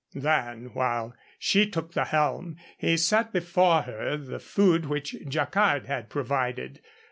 Then while she took the helm he set before her the food which Jacquard had provided.